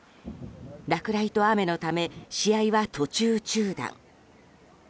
落雷と雨のため試合は途中中断。